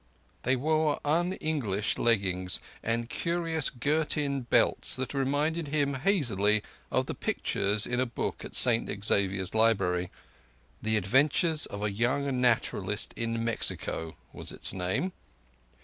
They wore un English leggings and curious girt in belts that reminded him hazily of the pictures in a book in St Xavier's library 'The Adventures of a Young Naturalist in Mexico' was its name.